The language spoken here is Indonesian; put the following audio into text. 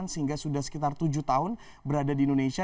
sehingga sudah sekitar tujuh tahun berada di indonesia